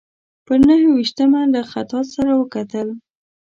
پر نهه ویشتمه له خطاط سره وکتل.